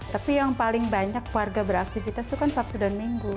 tapi yang paling banyak warga beraktivitas itu kan sabtu dan minggu